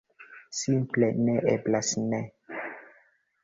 Simple ne eblas ne.